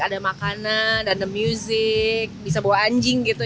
ada makanan ada musik bisa bawa anjing gitu